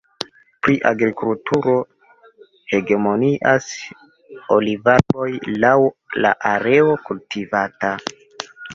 Pri agrikulturo hegemonias olivarboj laŭ la areo kultivata.